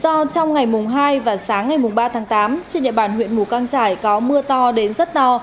do trong ngày mùng hai và sáng ngày ba tháng tám trên địa bàn huyện mù căng trải có mưa to đến rất to